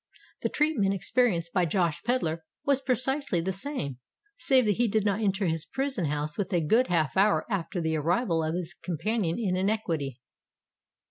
The treatment experienced by Josh Pedler was precisely the same, save that he did not enter his prison house until a good half hour after the arrival of his companion in iniquity.